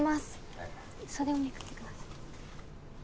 はい袖をめくってください